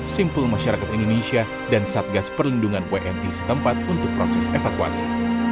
simpul masyarakat indonesia dan satgas perlindungan wni setempat untuk proses evakuasi